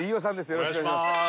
よろしくお願いします。